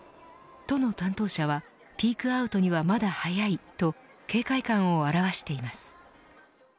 都の担当者はピークアウトにはまだ早いと警戒感を表しています。